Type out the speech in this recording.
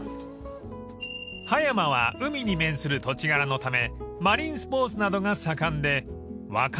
［葉山は海に面する土地柄のためマリンスポーツなどが盛んで若者に人気のスポットです］